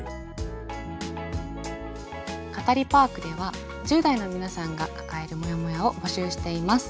「かたりパーク」では１０代の皆さんが抱えるモヤモヤを募集しています。